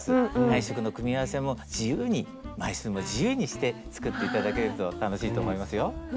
配色の組み合わせも自由に枚数も自由にして作って頂けると楽しいと思いますよ。